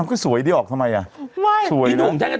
เป็นการกระตุ้นการไหลเวียนของเลือด